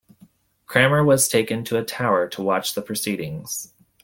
Cranmer was taken to a tower to watch the proceedings.